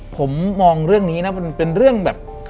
ผมมองเรื่องนี้นะมันเป็นเรื่องแบบ